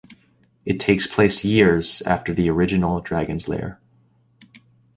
It takes place years after the original "Dragon's Lair".